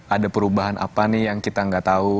ada perubahan apa nih yang kita nggak tahu